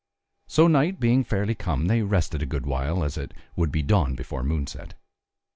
So night being fairly come, they rested a good while, as it would be dawn before moonset.